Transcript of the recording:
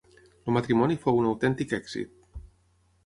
El matrimoni fou un autèntic èxit.